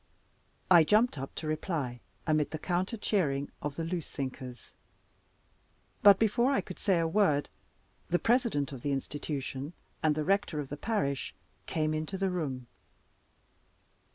I jumped up to reply, amid the counter cheering of the loose thinkers; but before I could say a word the President of the Institution and the rector of the parish came into the room.